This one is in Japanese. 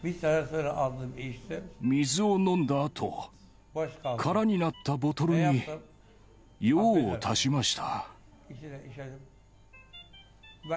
水を飲んだあと、空になったボトルに用を足しました。